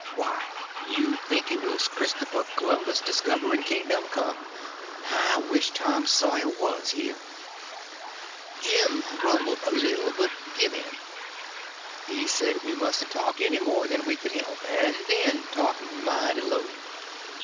Why, you'd think it was Christopher C'lumbus discovering Kingdom Come. I wish Tom Sawyer was here." Jim he grumbled a little, but give in. He said we mustn't talk any more than we could help, and then talk mighty low.